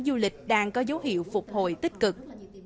du lịch đang có dấu hiệu phục hồi tích cực